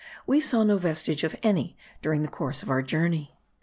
We saw no vestige of any during the course of our journey.